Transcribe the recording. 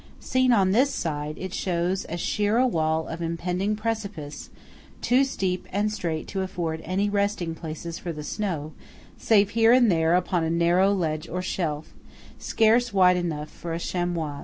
Seen on this side, it shows as a sheer wall of impending precipice, too steep and straight to afford any resting places for the snow, save here and there upon a narrow ledge or shelf, scarce wide enough for a chamois.